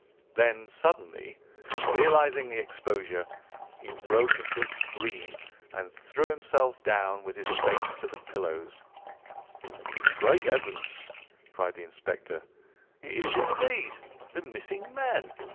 Then suddenly realising the exposure, he broke into a scream and threw himself down with his face to the pillow. "Great heavens!" cried the inspector, "it is, indeed, the missing man.